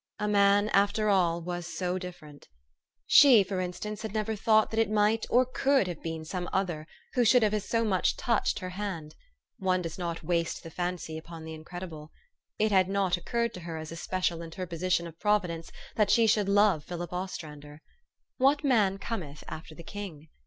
A man, after all, was so differ ent ! She, for instance, had never thought that it might or could have been some other who should have so much as touched her hand. One does not waste the fancy upon the" incredible. It had not occurred to her as a special interposition of Provi dence, that she should love Philip Ostrander. What man cometh after the king?